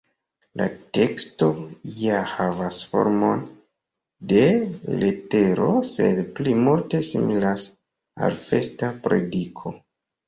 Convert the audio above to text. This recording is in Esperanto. La teksto ja havas formon de letero, sed pli multe similas al festa prediko.